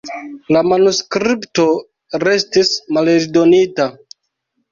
La manuskripto restis maleldonita.